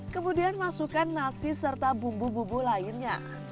kemudian masukkan nasi serta bumbu bumbu lainnya